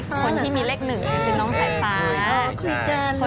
คนที่มีเล็ก๑คือน้องใส่ฟ้า